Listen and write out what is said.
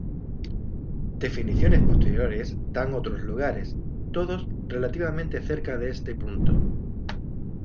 Definiciones posteriores dan otros lugares, todos relativamente cerca de este punto.